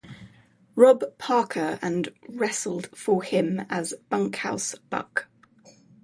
Rob Parker and wrestled for him as Bunkhouse Buck.